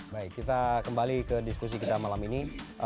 baik kita kembali ke diskusi kita malam ini